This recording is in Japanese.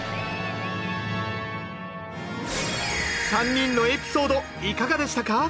３人のエピソードいかがでしたか？